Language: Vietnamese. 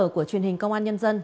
của truyền hình công an nhân dân